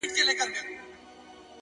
o چي لــه ژړا سره خبـري كوم،